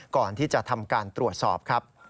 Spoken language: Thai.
ก่อนที่จะทำการตรวจสอบครับ